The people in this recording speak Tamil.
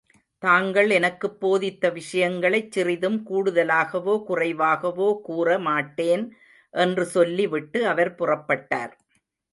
தாங்கள் எனக்குப் போதித்த விஷயங்களைச் சிறிதும் கூடுதலாகவோ, குறைவாகவோ கூற மாட்டேன் என்று சொல்லி விட்டு அவர் புறப்பட்டார்.